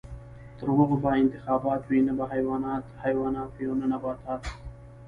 تر هغو به نه انتخابات وي، نه به حیوانات حیوانات وي او نه نباتات.